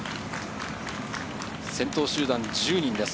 先頭集団１０人です。